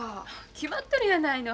決まっとるやないの。